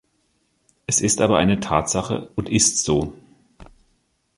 Es ist aber eine Tatsache und ist so.